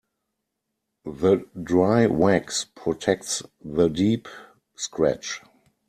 The dry wax protects the deep scratch.